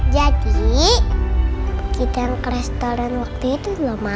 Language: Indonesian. jadi kita yang ke restoran waktu itu ma